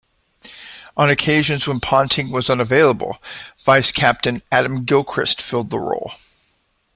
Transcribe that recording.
On occasions when Ponting was unavailable, vice-captain Adam Gilchrist filled the role.